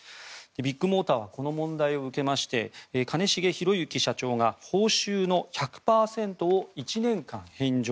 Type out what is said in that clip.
ビッグモーターはこの問題を受けまして兼重宏行社長が報酬の１００％を１年間返上。